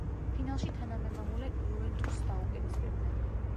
ფინალში თანამემამულე „იუვენტუსს“ დაუპირისპირდნენ.